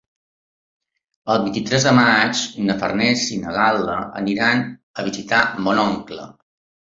El vint-i-tres de maig na Farners i na Gal·la aniran a visitar mon oncle.